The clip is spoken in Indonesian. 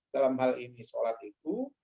dalam hal ini sholat itu